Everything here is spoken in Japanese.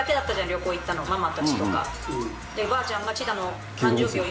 旅行行ったのママたちとか。